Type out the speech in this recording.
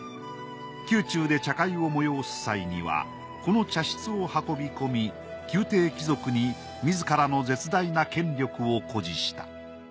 宮中で茶会を催す際にはこの茶室を運び込み宮廷貴族に自らの絶大な権力を誇示した。